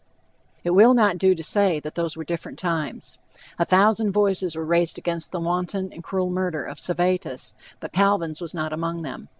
It will not do to say that those were different times. A thousand voices were raised against the wanton and cruel murder of Servetus, but Calvin's was not among them.